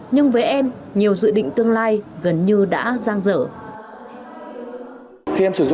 nhưng với em nhiều dự định tương lai gần như đã giang dở